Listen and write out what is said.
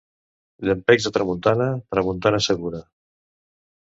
Llampecs a tramuntana, tramuntana segura.